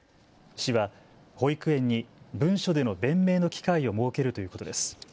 市は保育園に文書での弁明の機会を設けるということです。